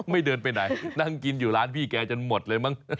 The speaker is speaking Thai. เดินไปไหนนั่งกินอยู่ร้านพี่แกจนหมดเลยมั้ง